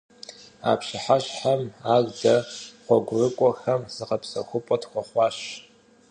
А пщыхьэщхьэм ар дэ, гъуэгурыкIуэхэм, зыгъэпсэхупIэ тхуэхъуащ.